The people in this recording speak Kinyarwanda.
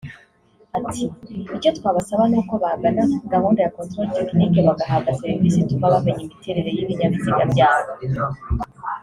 Ati “Icyo twabasaba ni uko bagana gahunda ya Contrôle technique bagahabwa serivise ituma bamenya imiterere y’ibinyabiziga byabo